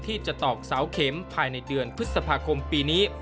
ตอกเสาเข็มภายในเดือนพฤษภาคมปีนี้